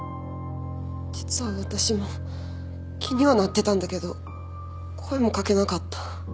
実は私も気にはなってたんだけど声も掛けなかった。